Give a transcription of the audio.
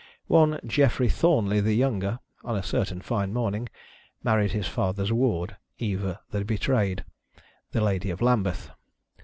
One Geoffrey Thornley the younger, on a certain fine morning, married his father's ward, Eva the Betrayed, the Ladye of Lambythe.